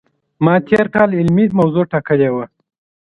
ما تېر کال علمي موضوع ټاکلې وه.